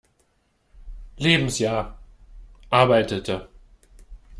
Lebensjahr, arbeitete.